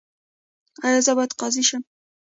ایا زه باید قاضي شم؟